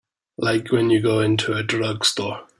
Like when you go into a drugstore.